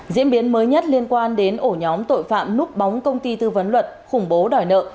diễn biến mới nhất liên quan đến ổ nhóm tội phạm núp bóng công ty tư vấn luật khủng bố đòi nợ